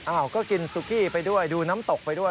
ก็กินซุกี้ไปด้วยดูน้ำตกไปด้วย